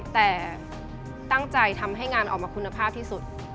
แต่ตั้งใจทำให้งานออกมาคุณภาพที่สุด